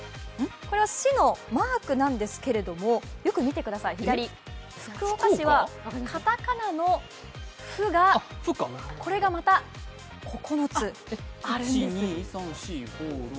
これは市のマークなんですけれども、よく見てください、左の福岡市は片仮名の「フ」がまた９つあるんです。